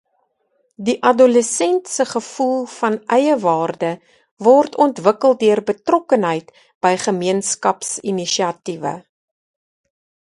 Die adolessent se gevoel van eiewaarde word ontwikkel deur betrokkenheid by gemeenskapsinisiatiewe.